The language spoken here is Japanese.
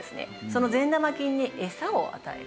その善玉菌にエサを与える。